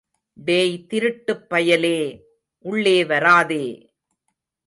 டேய் திருட்டுப்பயலே, உள்ளேவராதே!